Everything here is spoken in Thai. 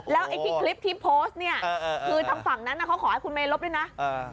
แล้วไอ้ที่คลิปที่โพสต์เนี่ยคือทางฝั่งนั้นเขาขอให้คุณเมยลบด้วยนะ